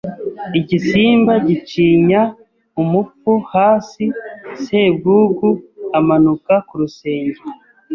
Igisimba gicinya umupfu hasi Sebwugugu amanuka ku rusenge